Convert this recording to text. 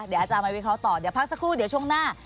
เดี๋ยวอาจารย์มาวิเคราะห์ต่อเดี๋ยวพักสักครู่เดี๋ยวช่วงหน้า